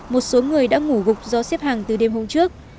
một số người đã ngủ gục do xếp hàng từ đêm hôm trước